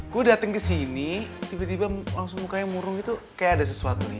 gue dateng kesini tiba tiba langsung mukanya murung gitu kayak ada sesuatu nih